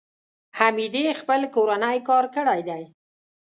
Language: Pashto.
حمیدې خپل کورنی کار کړی دی.